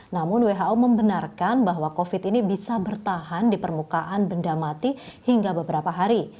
namun who membenarkan bahwa covid ini bisa bertahan di permukaan benda mati hingga beberapa hari